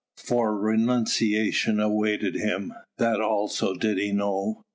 For renunciation awaited him that also did he know.